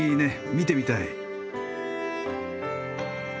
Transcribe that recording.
見てみたい。